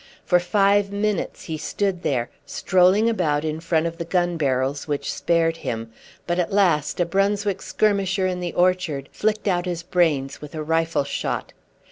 For five minutes he stood there, strolling about in front of the gun barrels which spared him, but at last a Brunswick skirmisher in the orchard flicked out his brains with a rifle shot.